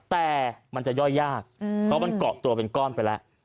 แต่มันจะย่อยยากเพราะมันเกาะตัวเป็นก้อนไปแล้ว